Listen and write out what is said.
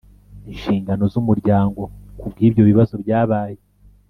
inshinganzo z umuryango ku bw ibyo bibazo byabaye